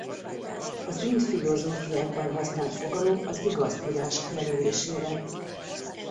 Az ind filozófiákban használt fogalom az igaz tudás jelölésére.